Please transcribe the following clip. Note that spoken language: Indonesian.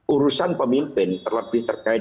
urusan pemimpin terlebih terkait